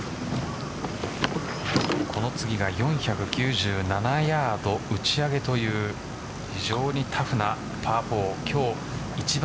この次が４９７ヤード打ち上げという非常にタフなパー４今日一番